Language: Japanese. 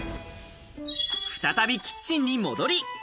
再びキッチンに戻り。